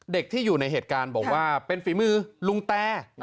ที่อยู่ในเหตุการณ์บอกว่าเป็นฝีมือลุงแต